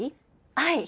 はい！